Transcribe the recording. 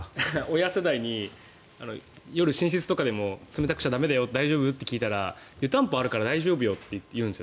親世代に夜、寝室とかでも冷たくしちゃ駄目だよ大丈夫？って聞いたら湯たんぽあるから大丈夫っていうんです。